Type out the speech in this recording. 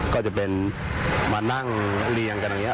ก็จะเป็นมานั่งเรียงกันอย่างนี้